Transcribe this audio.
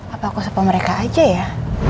apa aku sama mereka aja ya